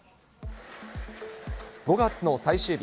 ５月の最終日。